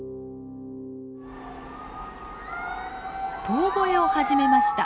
遠ぼえを始めました。